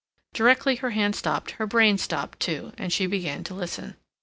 Directly her hand stopped her brain stopped too, and she began to listen.